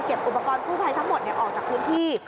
เก็บอุปกรณ์คู่ไฟทั้งหมดออกจากพื้นที่